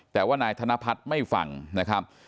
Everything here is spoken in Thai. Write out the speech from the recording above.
แต่ว่านายธนพัฒน์ไม่ฟังนะครับ